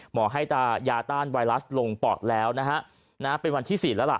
หมอให้ตายาต้านไวรัสลงปอดแล้วนะฮะเป็นวันที่๔แล้วล่ะ